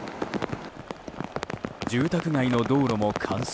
住宅街の道路も冠水。